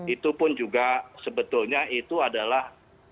itu pun juga sebetulnya itu adalah